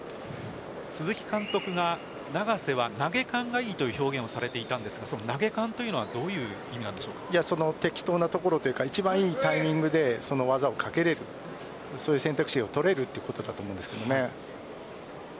鈴木監督が永瀬は投げ感がいいという表現をされていたんですが投げ感というのは適当なところというか一番いいタイミングで技をかけられるそういう選択肢が取れるということだと思うんですけどね。